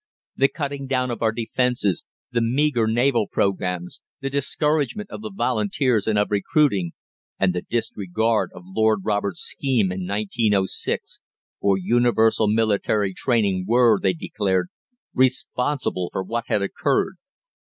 The cutting down of our defences, the meagre naval programmes, the discouragement of the Volunteers and of recruiting, and the disregard of Lord Roberts' scheme in 1906 for universal military training were, they declared, responsible for what had occurred.